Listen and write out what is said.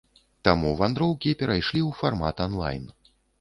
Таму вандроўкі перайшлі ў фармат анлайн.